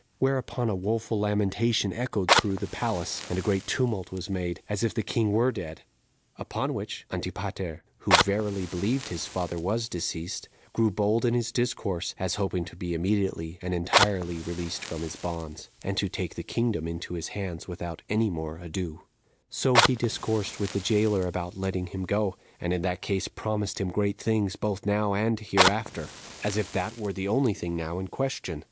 Whereupon a woeful lamentation echoed through the palace, and a great tumult was made, as if the king were dead. Upon which Antipater, who verily believed his father was deceased, grew bold in his discourse, as hoping to be immediately and entirely released from his bonds, and to take the kingdom into his hands without any more ado; so he discoursed with the jailer about letting him go, and in that case promised him great things, both now and hereafter, as if that were the only thing now in question.